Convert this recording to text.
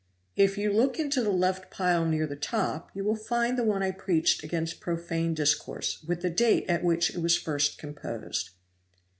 "If you look into the left pile near the top, you will find the one I preached against profane discourse, with the date at which it was first composed."